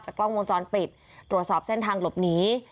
กล้องวงจรปิดตรวจสอบเส้นทางหลบหนี